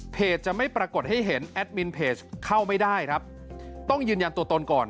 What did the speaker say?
จะไม่ปรากฏให้เห็นแอดมินเพจเข้าไม่ได้ครับต้องยืนยันตัวตนก่อน